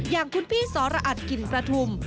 อย่างคุณพี่สรอัตกลิ่นประทุม